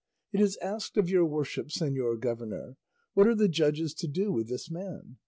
It is asked of your worship, señor governor, what are the judges to do with this man?